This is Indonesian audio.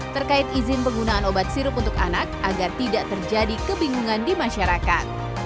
terkait izin penggunaan obat sirup untuk anak agar tidak terjadi kebingungan di masyarakat